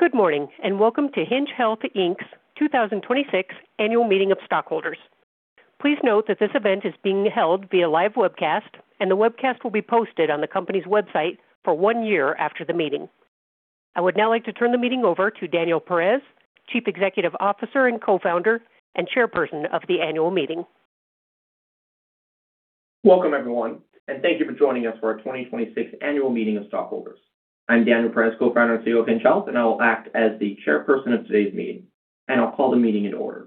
Good morning, and welcome to Hinge Health, Inc.'s 2026 Annual Meeting of Stockholders. Please note that this event is being held via live webcast, and the webcast will be posted on the company's website for one year after the meeting. I would now like to turn the meeting over to Daniel Perez, Chief Executive Officer and Co-founder, and Chairperson of the annual meeting. Welcome, everyone, and thank you for joining us for our 2026 Annual Meeting of Stockholders. I'm Daniel Perez, Co-founder and CEO of Hinge Health, and I will act as the chairperson of today's meeting, and I'll call the meeting to order.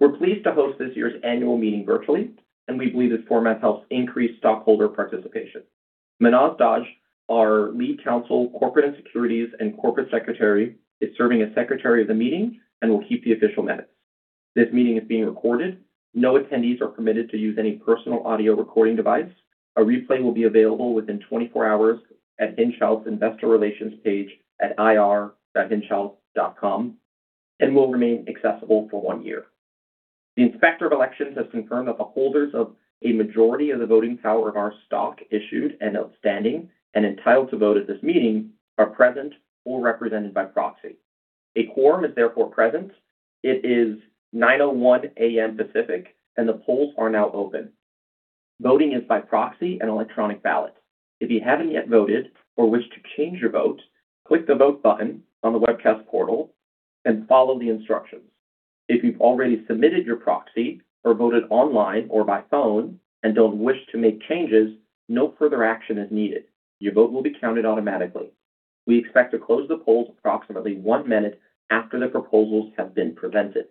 We're pleased to host this year's annual meeting virtually, and we believe this format helps increase stockholder participation. Manoj Dodge, our Lead Counsel, Corporate and Securities, and Corporate Secretary, is serving as Secretary of the meeting and will keep the official minutes. This meeting is being recorded. No attendees are permitted to use any personal audio recording device. A replay will be available within 24 hours at Hinge Health's Investor Relations page at ir.hingehealth.com and will remain accessible for one year. The Inspector of Elections has confirmed that the holders of a majority of the voting power of our stock issued and outstanding and entitled to vote at this meeting are present or represented by proxy. A quorum is therefore present. It is 9:01AM. Pacific, and the polls are now open. Voting is by proxy and electronic ballot. If you haven't yet voted or wish to change your vote, click the Vote button on the webcast portal and follow the instructions. If you've already submitted your proxy or voted online or by phone and don't wish to make changes, no further action is needed. Your vote will be counted automatically. We expect to close the polls approximately one minute after the proposals have been presented.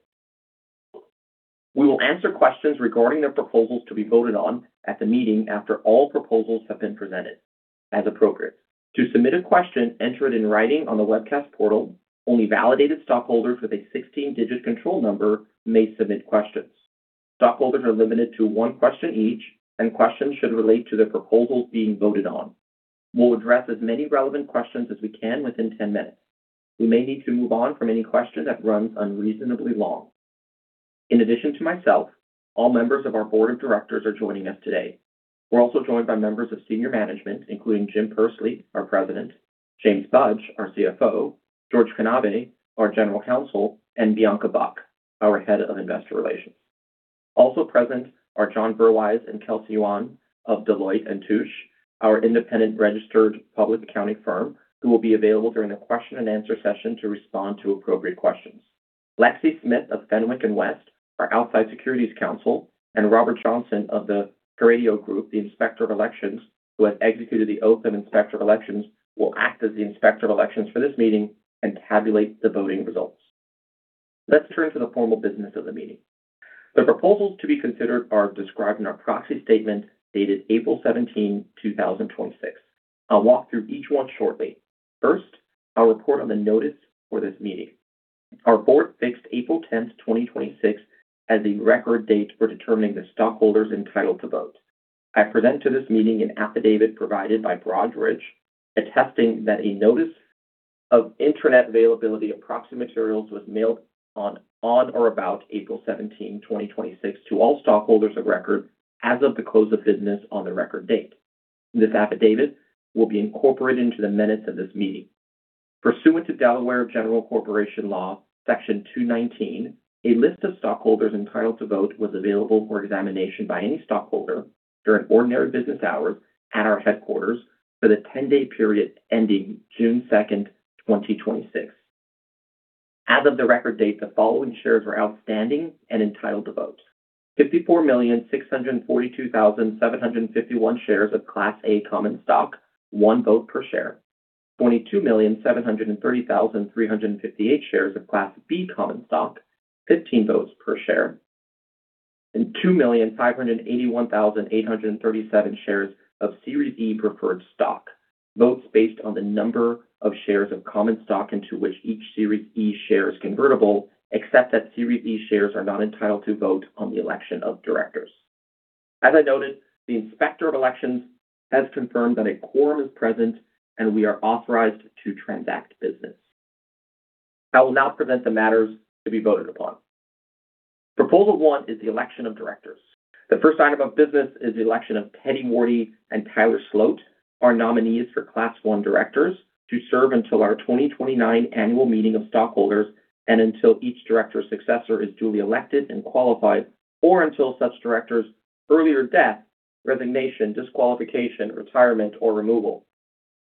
We will answer-questions regarding the proposals to be voted on at the meeting after all proposals have been presented, as appropriate. To submit a question, enter it in writing on the webcast portal. Only validated stockholders with a 16-digit control number may submit questions. Stockholders are limited to one question each, and questions should relate to the proposals being voted on. We'll address as many relevant questions as we can within 10 minutes. We may need to move on from any question that runs unreasonably long. In addition to myself, all members of our board of directors are joining us today. We're also joined by members of senior management, including Jim Pursley, our President; James Budge, our CFO; George Kanave, our General Counsel; and Bianca Buck, our Head of Investor Relations. Also present are John Burwise and Kelsey Wan of Deloitte & Touche, our independent registered public accounting firm, who will be available during the question-and-answer session to respond to appropriate questions. Lexi Smith of Fenwick & West, our outside securities counsel, and Tony Carideo of the Carideo Group, the Inspector of Elections, who has executed the Oath of Inspector of Elections, will act as the Inspector of Elections for this meeting and tabulate the voting results. Let's turn to the formal business of the meeting. The proposals to be considered are described in our proxy statement dated April 17, 2026. I'll walk through each one shortly. First, I'll report on the notice for this meeting. Our board fixed April 10th, 2026, as the record date for determining the stockholders entitled to vote. I present to this meeting an affidavit provided by Broadridge, attesting that a notice of Internet availability of proxy materials was mailed on or about April 17, 2026, to all stockholders of record as of the close of business on the record date. This affidavit will be incorporated into the minutes of this meeting. Pursuant to Delaware General Corporation Law, Section 219, a list of stockholders entitled to vote was available for examination by any stockholder during ordinary business hours at our headquarters for the 10-day period ending June 2nd, 2026. As of the record date, the following shares are outstanding and entitled to vote: 54,642,751 shares of Class A common stock, one vote per share; 22,730,358 shares of Class B common stock, 15 votes per share; and 2,581,837 shares of Series E preferred stock, votes based on the number of shares of common stock into which each Series E share is convertible, except that Series E shares are not entitled to vote on the election of directors. As I noted, the Inspector of Elections has confirmed that a quorum is present, and we are authorized to transact business. I will now present the matters to be voted upon. Proposal one is the election of directors. The first item of business is the election of Teddie Wardi and Tyler Sloat, our nominees for Class I directors, to serve until our 2029 annual meeting of stockholders and until each director's successor is duly elected and qualified, or until such director's earlier death, resignation, disqualification, retirement, or removal.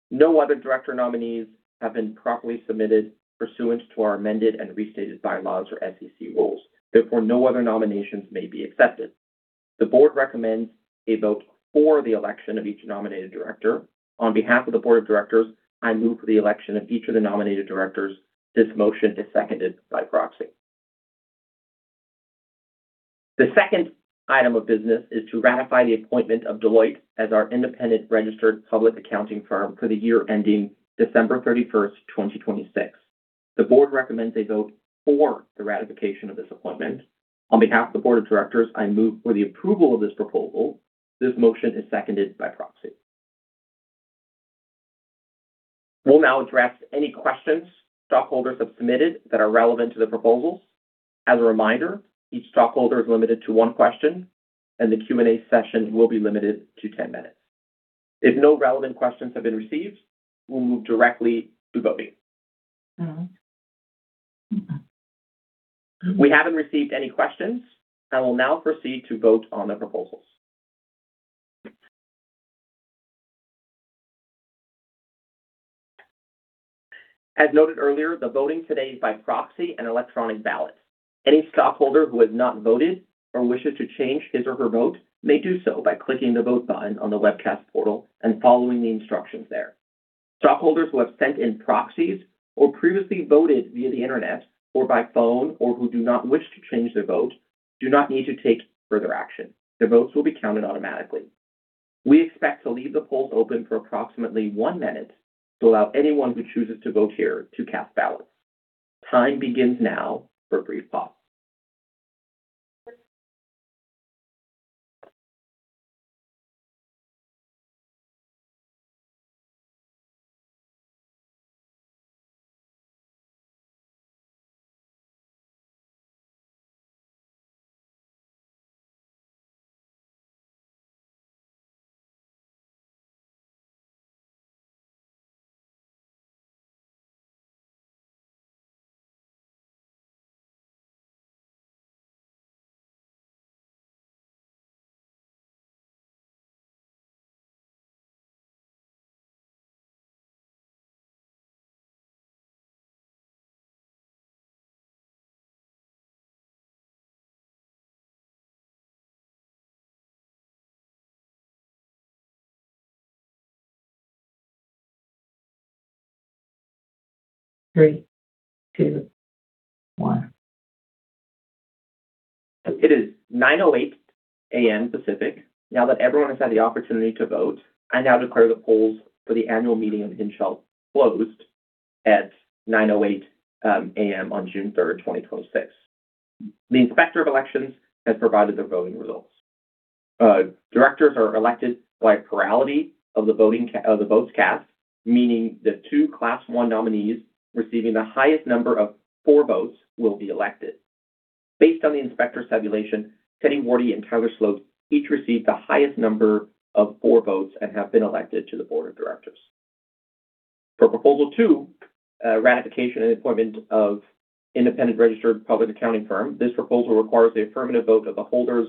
No other director nominees have been properly submitted pursuant to our amended and restated bylaws or SEC rules. Therefore, no other nominations may be accepted. The Board recommends a vote for the election of each nominated director. On behalf of the Board of Directors, I move for the election of each of the nominated directors. This motion is seconded by proxy. The second item of business is to ratify the appointment of Deloitte as our independent registered public accounting firm for the year ending December 31st, 2026. The board recommends a vote for the ratification of this appointment. On behalf of the board of directors, I move for the approval of this proposal. This motion is seconded by proxy. We'll now address any questions stockholders have submitted that are relevant to the proposals. As a reminder, each stockholder is limited to one question, and the Q&A session will be limited to 10 minutes. If no relevant questions have been received, we'll move directly to voting. We haven't received any questions, and will now proceed to vote on the proposals. As noted earlier, the voting today is by proxy and electronic ballot. Any stockholder who has not voted or wishes to change his or her vote may do so by clicking the Vote button on the webcast portal and following the instructions there. Stockholders who have sent in proxies or previously voted via the internet or by phone or who do not wish to change their vote do not need to take further action. Their votes will be counted automatically. We expect to leave the polls open for approximately one minute to allow anyone who chooses to vote here to cast ballots. Time begins now for brief thought. Three, two, one. It is 9:08AM. Pacific. Now that everyone has had the opportunity to vote, I now declare the polls for the annual meeting of Hinge Health closed at 9:08AM. on June 3rd, 2026. The Inspector of Elections has provided the voting results. Directors are elected by plurality of the votes cast, meaning the two class 1 nominees receiving the highest number of For votes will be elected. Based on the inspector's tabulation, Teddie Wardi and Tyler Sloat each received the highest number of For votes and have been elected to the board of directors. For proposal two, ratification and appointment of independent registered public accounting firm. This proposal requires the affirmative vote of the holders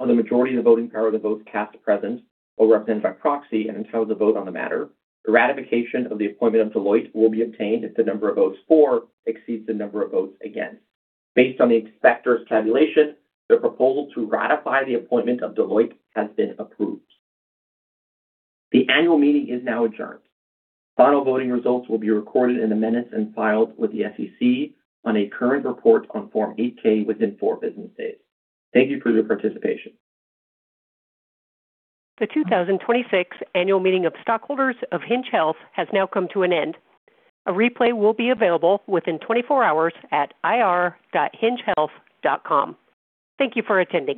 of the majority of the voting power of the votes cast present or represented by proxy and entitled to vote on the matter. The ratification of the appointment of Deloitte will be obtained if the number of votes for exceeds the number of votes against. Based on the inspector's tabulation, the proposal to ratify the appointment of Deloitte has been approved. The annual meeting is now adjourned. Final voting results will be recorded in the minutes and filed with the SEC on a current report on Form 8-K within four business days. Thank you for your participation. The 2026 annual meeting of stockholders of Hinge Health has now come to an end. A replay will be available within 24 hours at ir.hingehealth.com. Thank you for attending.